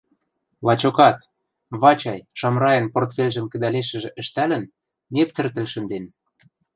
Лачокат, Вачай, Шамрайын портфельжӹм кӹдӓлешӹжӹ ӹштӓлӹн, непцӹртӹл шӹнден.